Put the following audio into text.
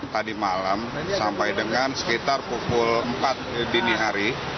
tadi malam sampai dengan sekitar pukul empat dini hari